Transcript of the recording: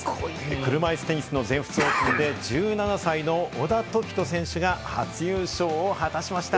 車いすテニスの全仏オープンで１７歳の小田凱人選手が初優勝を果たしました。